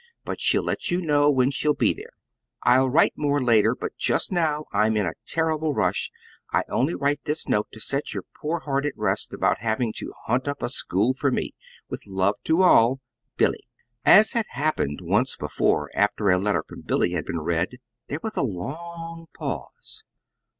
But she'll let you know when she'll be there. "I'll write more later, but just now I'm in a terrible rush. I only write this note to set your poor heart at rest about having to hunt up a school for me. "With love to all, "BILLY." As had happened once before after a letter from Billy had been read, there was a long pause.